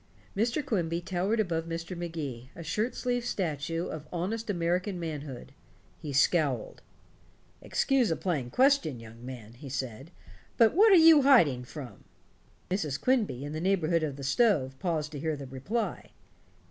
Mr. Quimby towered above Mr. Magee, a shirt sleeved statue of honest American manhood. He scowled. "Excuse a plain question, young man," he said, "but what are you hiding from?" Mrs. Quimby, in the neighborhood of the stove, paused to hear the reply.